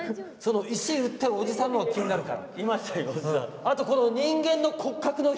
石売ってるおじさんのほうが気になるから。